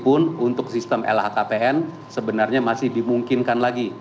pun untuk sistem lhkpn sebenarnya masih dimungkinkan lagi